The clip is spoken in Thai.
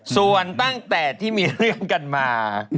ส่วนตั้งแต่ที่มีเรื่องกันมา